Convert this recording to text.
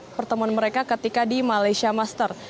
ada pertemuan mereka ketika di malaysia masters